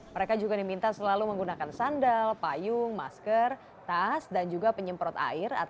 mereka juga diminta selalu menggunakan sandal payung masker tas dan juga penyemprot air